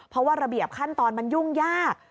เพราะว่าระเบียบขั้นตอนมันยุ่งยาก